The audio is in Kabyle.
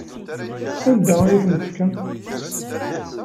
Anda ay ten-tefkamt?